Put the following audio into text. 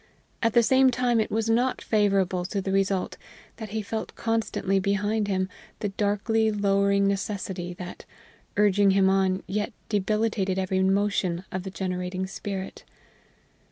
At the same time it was not favorable to the result that he felt constantly behind him, the darkly lowering necessity that, urging him on, yet debilitated every motion of the generating spirit.